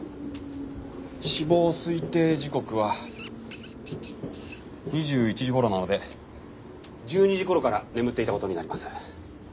死亡推定時刻は２１時頃なので１２時頃から眠っていた事になります。